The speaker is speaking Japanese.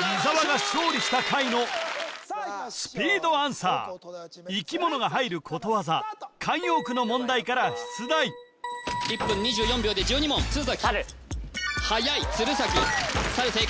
伊沢が勝利した回のスピードアンサー生き物が入ることわざ・慣用句の問題から出題１分２４秒で１２問鶴崎はやい鶴崎猿正解